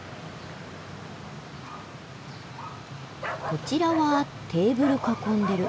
こちらはテーブル囲んでる。